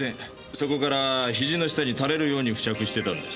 そこから肘の下に垂れるように付着してたんです。